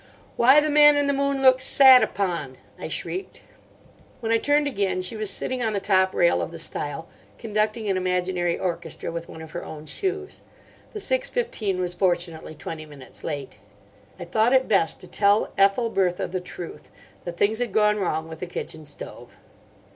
"'Why the Man in the Moon looks sat upon,'" I shrieked. When I turned again she was sitting on the top rail of the stile conducting an imaginary orchestra with one of her own shoes. The six fifteen was fortunately twenty minutes late. I thought it best to tell Ethelbertha the truth; that things had gone wrong with the kitchen stove.